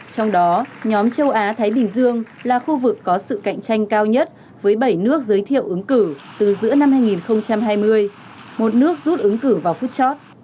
trong đó nhóm châu á thái bình dương là khu vực có sự cạnh tranh cao nhất với bảy nước giới thiệu ứng cử từ giữa năm hai nghìn hai mươi một nước rút ứng cử vào phút chót